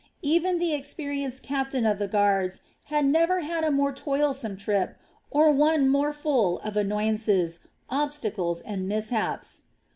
Even the experienced captain of the guards had never had a more toilsome trip or one more full of annoyances, obstacles, and mishaps.